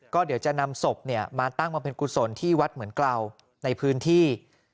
ก็เดี๋ยวจะนำศพมาตั้งบำเพ็ญกุศลที่วัดเหมือนเกลาในพื้นที่